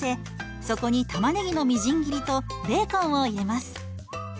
そこに玉ねぎのみじん切りとベーコンを入れます。